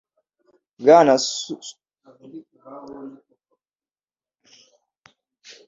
Bwana Suzuki ntabwo ari amenyo. Ni umuganga.